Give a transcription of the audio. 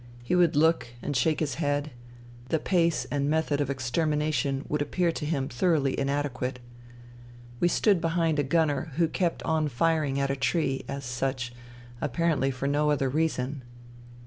He would look and shake his head : the pace and method of extermination would appear to him thoroughly inadequate. We stood behind a gunner who kept on firing at a tree, as such ; apparently for no other reason.